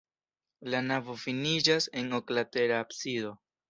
La navo finiĝas en oklatera absido.